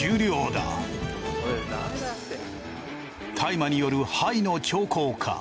大麻によるハイの兆候か？